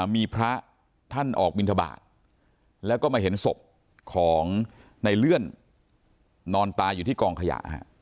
มีพระท่านออกบินทบาทแล้วก็มาเห็นศพของในเลื่อนนอนตายอยู่ที่กองขยะ